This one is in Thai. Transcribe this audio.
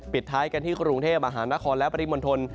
ปิดท้ายกันที่กรุงเทพฯอาหารนาคอและปริมณ์ธนิย์